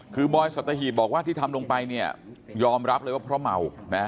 คือบอยสัตหีบบอกว่าที่ทำลงไปเนี่ยยอมรับเลยว่าเพราะเมา